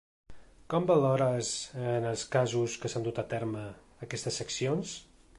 Com valores, en els casos que s’han dut a terme, aquestes accions?